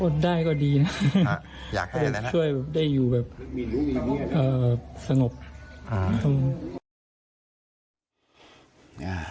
อดได้ก็ดีนะฮะอยากให้แหละนะช่วยแบบได้อยู่แบบเอ่อสงบอ่า